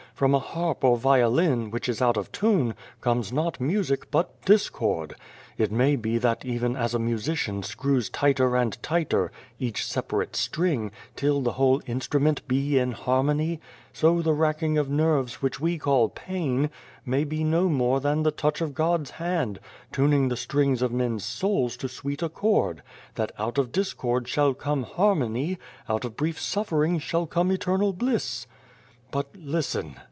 From a harp or violin, which is out of tune, comes not music but discord. It may be that even as a musician screws tighter and tighter each separate string, till the whole instrument be in harmony, so the racking of nerves which we call pain may be no more no Beyond the Door than the touch of God's hand, tuning the strings of men's souls to sweet accord, that out of discord shall come harmony, out of brief suffering shall come eternal bliss !" But listen